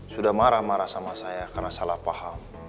sudah marah marah sama saya karena salah paham